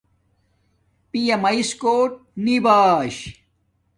پیامیس کوٹ نی باشاہ